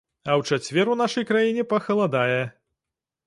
А ў чацвер у нашай краіне пахаладае.